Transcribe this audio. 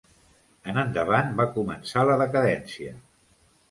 En endavant va començar la decadència.